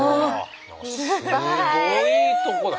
すごいとこだ！